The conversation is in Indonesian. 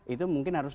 itu mungkin harus